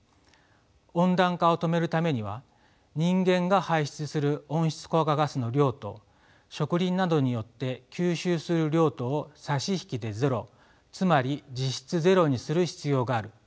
温暖化を止めるためには人間が排出する温室効果ガスの量と植林などによって吸収する量とを差し引きでゼロつまり実質ゼロにする必要があるということです。